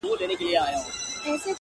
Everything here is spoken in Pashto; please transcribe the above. ټول ژوند د غُلامانو په رکم نیسې-